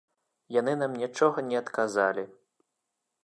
Яны нам нічога не адказалі.